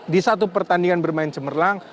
di satu pertandingan bermain cemerlang